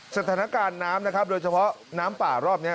สถานการณ์น้ำนะครับโดยเฉพาะน้ำป่ารอบนี้